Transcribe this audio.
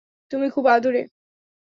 তুমি খুব আদুরে!